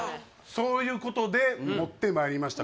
そういうことで持ってまいりました